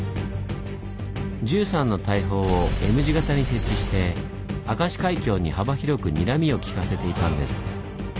１３の大砲をＭ字型に設置して明石海峡に幅広くにらみをきかせていたんです。